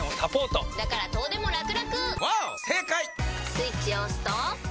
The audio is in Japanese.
スイッチを押すと。